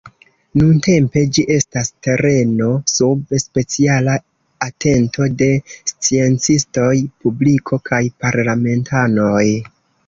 Nuntempe ĝi estas tereno sub speciala atento de sciencistoj, publiko kaj parlamentanoj.